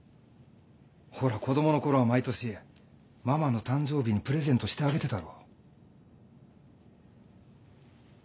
ほら子供のころは毎年ママの誕生日にプレゼントしてあげてたろ。